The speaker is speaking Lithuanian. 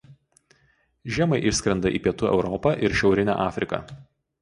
Žiemai išskrenda į Pietų Europą ir Šiaurinę Afriką.